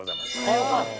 よかった。